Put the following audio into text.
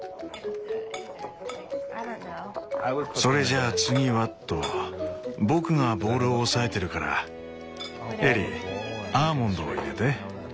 それじゃあ次はと僕がボウルを押さえてるからエリーアーモンドを入れて。